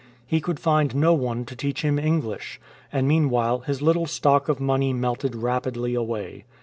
He could find no one to teach him English, and meanwhile his little stock of money melted rapidly away.